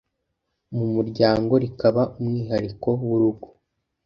mu muryango, rikaba umwihariko w’urugo,